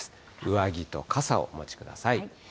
上着と傘をお持ちください。